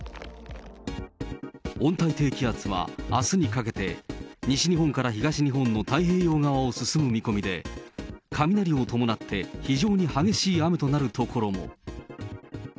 温帯低気圧は、あすにかけて西日本から東日本の太平洋側を進む見込みで、雷を伴って非常に激しい雨となる所も。